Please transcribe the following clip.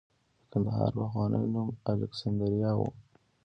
د کندهار پخوانی نوم الکسندریا و